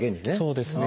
そうですね。